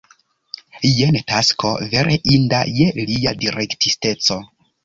Jen tasko vere inda je lia direktisteco.